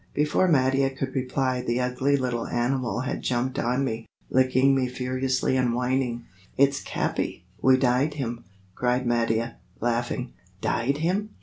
Before Mattia could reply the ugly little animal had jumped on me, licking me furiously and whining. "It's Capi; we dyed him!" cried Mattia, laughing. "Dyed him?